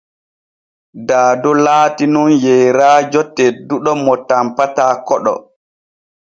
Daado laatinun yeyraajo tedduɗo mo tanpata koɗo.